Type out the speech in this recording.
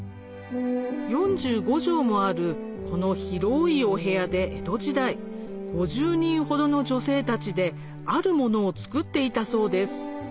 ４５畳もあるこの広いお部屋で江戸時代５０人ほどの女性たちであるものを作っていたそうです